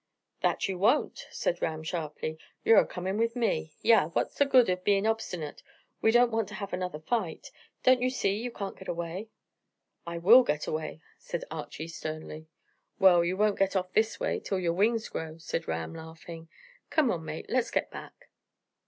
"That you won't," said Ram sharply. "You're a coming up with me. Yah! What's the good o' being obstinate? We don't want to have another fight. Don't you see you can't get away?" "I will get away," said Archy sternly. "Well, you won't get off this way, till your wings grow," said Ram, laughing. "Come on, mate, let's get back."